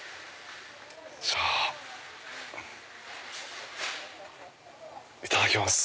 じゃあいただきます。